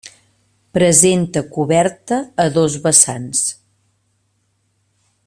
Presenta coberta a dos vessants.